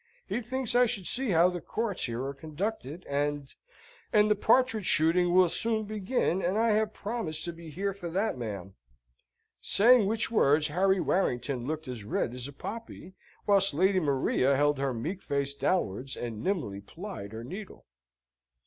He thinks I should see how the Courts here are conducted and and the partridge shooting will soon begin, and I have promised to be here for that, ma'am." Saying which words, Harry Warrington looked as red as a poppy, whilst Lady Maria held her meek face downwards, and nimbly plied her needle.